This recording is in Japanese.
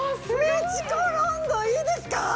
ミチコロンドンいいですか？